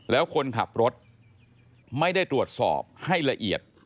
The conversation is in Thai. แล้วคนขับรถไม่ได้ตรวจสอบให้ละเอียด